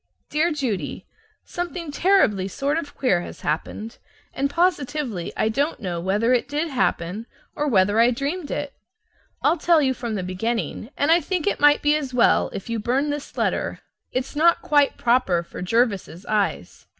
Dear Judy: Something terribly sort of queer has happened, and positively I don't know whether it did happen or whether I dreamed it. I'll tell you from the beginning, and I think it might be as well if you burned this letter; it's not quite proper for Jervis's eyes.